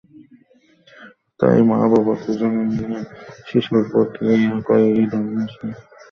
তাই মা-বাবা দুজনে মিলে শিশুর প্রতি একই ধরনের সমন্বিত আচরণ করুন।